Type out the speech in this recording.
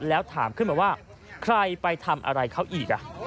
แล้วถามขึ้นมาว่าใครไปทำอะไรเขาอีก